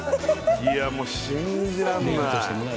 もう信じられない。